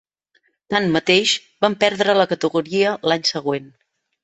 Tanmateix, van perdre la categoria l'any següent.